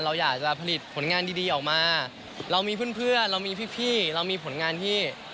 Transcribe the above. เราอยากจะผลิตผลงานดีออกมาเรามีเพื่อนเรามีพี่เรามีผลงานที่